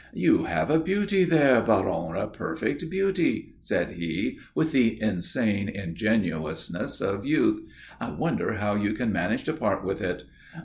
"You have a beauty there, Baron, a perfect beauty," said he, with the insane ingenuousness of youth. "I wonder how you can manage to part with it."